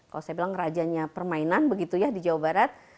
kalau saya bilang rajanya permainan begitu ya di jawa barat